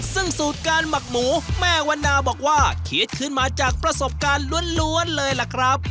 ซึ่งสูตรการหมักหมูแม่วันนาบอกว่าคิดขึ้นมาจากประสบการณ์ล้วนเลยล่ะครับ